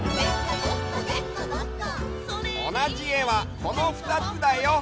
おなじえはこのふたつだよ！